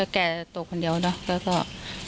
แกตกคนเดียวเนาะ